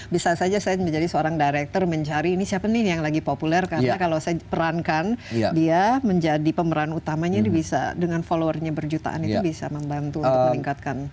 bisa saja saya menjadi seorang director mencari ini siapa nih yang lagi populer karena kalau saya perankan dia menjadi pemeran utamanya bisa dengan followernya berjutaan itu bisa membantu untuk meningkatkan